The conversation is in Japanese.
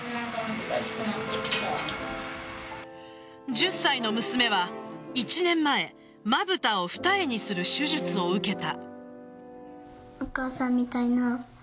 １０歳の娘は１年前まぶたを二重にする手術を受けた。